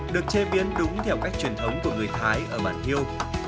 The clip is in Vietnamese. được chế biến đúng theo cách truyền thống của người thái ở bản hiêu